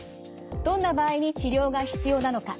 どんな場合に治療が必要なのか。